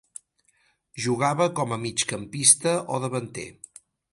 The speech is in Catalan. Jugava com a migcampista o davanter.